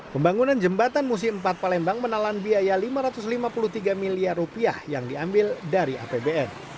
pembangunan jembatan musim empat palembang menalan biaya lima ratus lima puluh tiga miliar rupiah yang diambil dari apbn